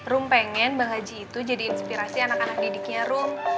rum pengen bang haji itu jadi inspirasi anak anak didiknya rum